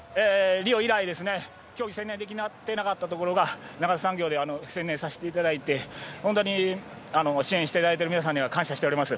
リオ以来、競技に専念できなかったところが長瀬産業で専念させていただいて本当に支援していただいている皆さんには感謝しております。